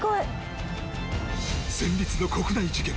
戦慄の国内事件。